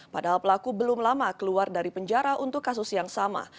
padahal pelaku belum lama keluar dari penjara untuk kasus yang sama